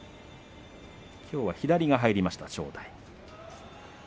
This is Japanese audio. きょうは左が入りました正代。